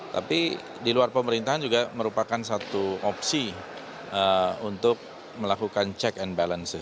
tapi di luar pemerintahan juga merupakan satu opsi untuk melakukan check and balances